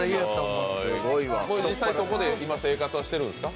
実際、そこで今、生活はしているんですか？